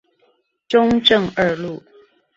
中正二路